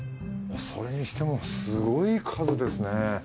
それにしてもすごい数ですね。